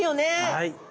はい。